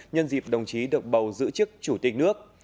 nhân dịp đồng chí được bầu giữ chức chủ tịch nước